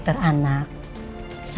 tetap mendampingi dia